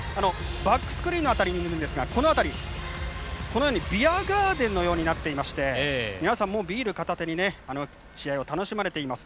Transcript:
バックスクリーンの辺りにいるんですがビアガーデンのようになっていましてビール片手に試合を楽しまれています。